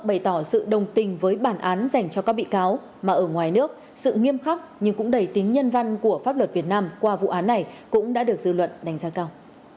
bày tỏ sự đồng tình với bản án dành cho các bị cáo mà ở ngoài nước sự nghiêm khắc nhưng cũng đầy tính nhân văn của pháp luật việt nam qua vụ án này cũng đã được dư luận đánh giá cao